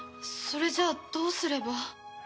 それじゃあどうすれば。